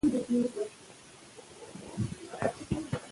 په افغانستان کې دریابونه د خلکو د اعتقاداتو سره تړاو لري.